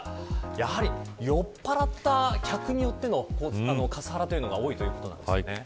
やはり酔っぱらった客によってのカスハラが多いということです。